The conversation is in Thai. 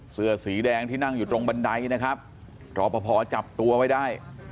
เสื้อสีแดงที่นั่งอยู่ตรงบันไดนะครับรอปภจับตัวไว้ได้